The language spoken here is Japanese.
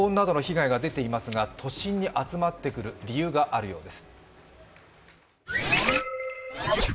騒音などの被害が出ていますが、都心に集まってくる理由があるようです。